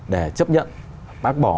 để chấp nhận bác bỏ